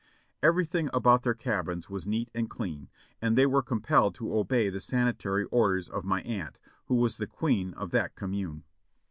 Everything about their cabins was neat and clean, and they were compelled to obey the sanitary orders of my aunt, who was the queen of that com mune.